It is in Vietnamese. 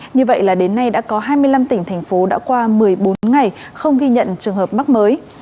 như vậy là đến nay đã có hai mươi năm tỉnh thành phố đã qua một mươi bốn ngày không ghi nhận trường hợp mắc mới